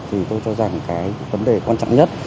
thì tôi cho rằng cái vấn đề quan trọng nhất